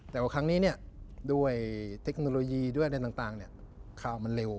แต่ว่าครั้งนี้ด้วยเทคโนโลยีด้วยอะไรต่างข่าวมันเร็ว